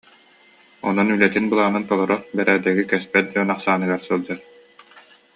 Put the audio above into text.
Онон үлэтин былаанын толорор, бэрээдэги кэспэт дьон ахсааныгар сылдьар